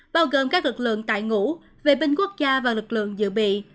bao gồm các lực lượng tại ngũ vệ binh quốc gia và lực lượng dự bị